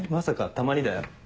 たまにだよ。